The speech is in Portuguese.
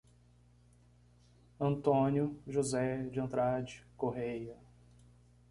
Antônio José de Andrade Correia